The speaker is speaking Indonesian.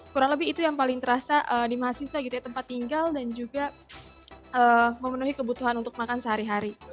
kurang lebih itu yang paling terasa di mahasiswa gitu ya tempat tinggal dan juga memenuhi kebutuhan untuk makan sehari hari